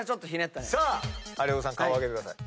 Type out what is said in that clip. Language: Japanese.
有岡さん顔を上げてください。